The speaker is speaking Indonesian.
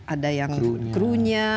ada yang kru nya